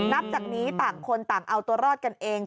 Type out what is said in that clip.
นับจากนี้ต่างคนต่างเอาตัวรอดกันเอง